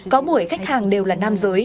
có mỗi khách hàng đều là nam giới